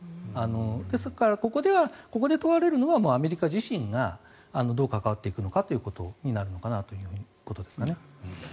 ですから、ここで問われるのはアメリカ自身がどう関わっていくのかということかなということです。